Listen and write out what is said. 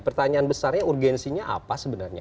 pertanyaan besarnya urgensinya apa sebenarnya